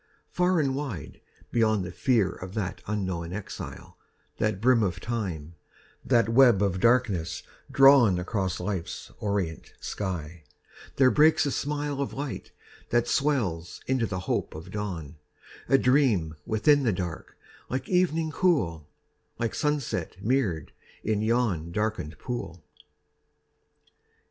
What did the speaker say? Far and wide, Beyond the fear of that unknown exile, That brim of Time, that web of darkness drawn Across Life's orient sky, there breaks a smile Of light that swells into the hope of dawn : A dream within the dark, like evening cool, Like sunset mirror'd in yon darken'd pool.